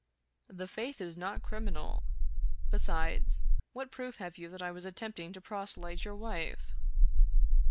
" The faith is not criminal. Besides, what proof have you that I was attempting to proselyte your wife?"